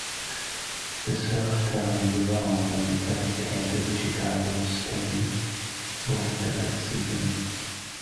The Surf turned around and traded him to the Chicago Sting later that season.